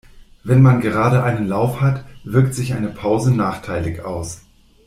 Wenn man gerade einen Lauf hat, wirkt sich eine Pause nachteilig aus.